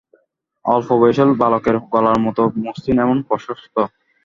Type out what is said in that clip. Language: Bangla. অল্প-বয়সের বালকের গলার মতো মসৃণ এবং প্রশস্ত।